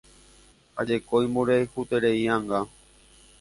Ha jeko imboriahutereíanga